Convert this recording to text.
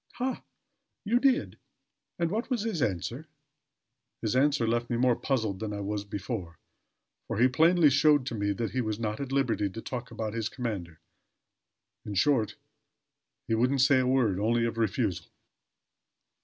"Ha! You did! And what was his answer?" "His answer left me more puzzled than I was before; for he plainly showed to me that he was not at liberty to talk about his commander. In short, he wouldn't say a word, only of refusal."